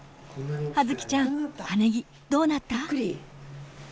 葉月ちゃん葉ねぎどうなった？